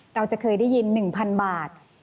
เราจะเคยได้ยิน๑๐๐๐บาท